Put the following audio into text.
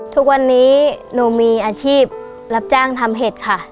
ทุกวันนี้หนูมีอาชีพรับจ้างทำเห็ดค่ะ